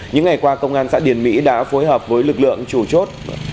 những ngày qua công an xã điền mỹ đã phối hợp với lực lượng chủ chốt